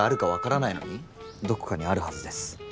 どこかにあるはずです